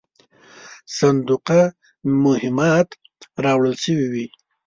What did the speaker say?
صندوقه مهمات راوړل سوي وې.